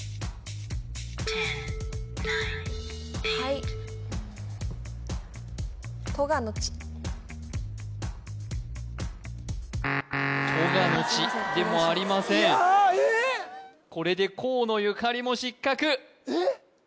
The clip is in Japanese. はいとがのちでもありませんこれで河野ゆかりも失格ええ！？